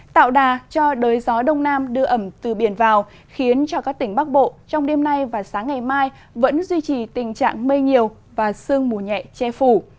tạo đà cho đới gió đông nam đưa ẩm từ biển vào khiến cho các tỉnh bắc bộ trong đêm nay và sáng ngày mai vẫn duy trì tình trạng mây nhiều và sương mù nhẹ che phủ